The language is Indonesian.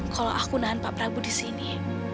kalau aku nahan pak prabu di sini